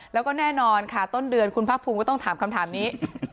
แล้วก็แน่นอนค่ะต้นเดือนคุณภาคภูมิก็ต้องถามคำถามนี้